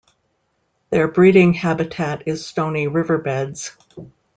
Their breeding habitat is stony riverbeds.